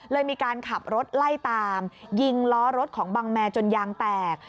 มีการขับรถไล่ตามยิงล้อรถของบังแมจนยางแตก